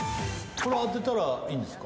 これ当てたらいいんですか？